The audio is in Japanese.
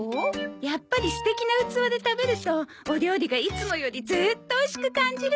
やっぱり素敵な器で食べるとお料理がいつもよりずーっとおいしく感じるわ。